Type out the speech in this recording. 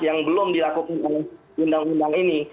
yang belum dilakukan oleh undang undang ini